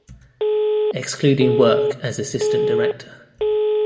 Excluding work as assistant director.